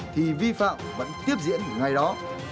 thì vi phạm vẫn tiếp diễn ngày đó